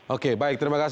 oke baik terima kasih